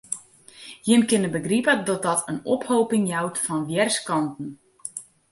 Jim kinne begripe dat dat in opheapping jout fan wjerskanten.